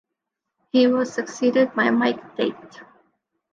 He was succeeded by Mike Tate.